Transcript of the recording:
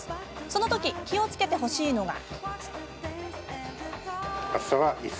その時、気をつけてほしいのが。